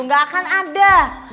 nggak akan ada